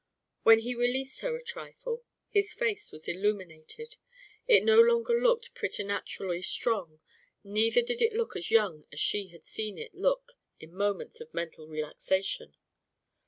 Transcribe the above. When he released her a trifle, his face was illuminated. It no longer looked preternaturally strong; neither did it look as young as she had seen it look in moments of mental relaxation.